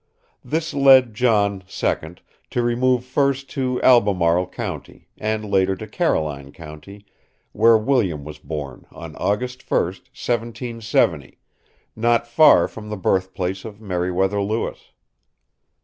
This led John, second, to remove first to Albemarle County, and later to Caroline County, where William was born on August 1, 1770, not far from the birthplace of Meriwether Lewis.